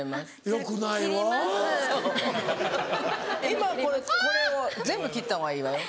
今これを全部切ったほうがいいわよ。